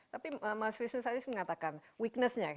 tapi mas fisnis aris mengatakan weakness nya